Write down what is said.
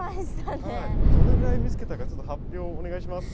どれぐらい見つけたかちょっと発表お願いします。